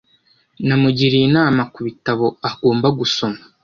Namugiriye inama kubitabo agomba gusoma .